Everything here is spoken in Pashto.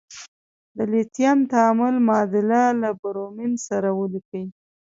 د لیتیم تعامل معادله له برومین سره ولیکئ.